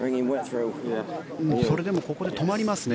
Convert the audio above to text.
それでもここで止まりますね。